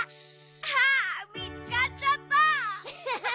あみつかっちゃった！